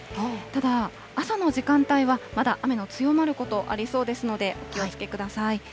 ただ、朝の時間帯はまだ雨の強まることありそうですので、お気をつけください。